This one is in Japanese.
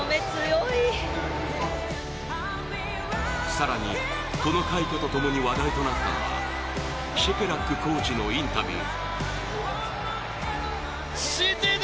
更にこの快挙とともに話題となったのがシェケラックコーチのインタビュー。